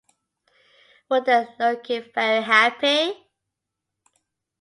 Were they looking very happy?